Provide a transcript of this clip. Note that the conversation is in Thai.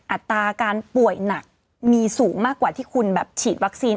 อัตราการป่วยหนักมีสูงมากกว่าที่คุณแบบฉีดวัคซีน